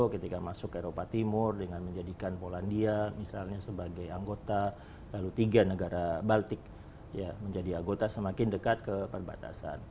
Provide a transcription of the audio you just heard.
ketika masuk eropa timur dengan menjadikan polandia misalnya sebagai anggota lalu tiga negara baltik menjadi anggota semakin dekat ke perbatasan